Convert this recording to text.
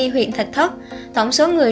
huyện thạch thất thổng số người